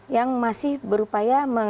yang masih berupaya